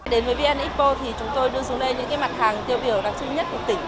đến với vn expo thì chúng tôi đưa xuống đây những mặt hàng tiêu biểu đặc trưng nhất của tỉnh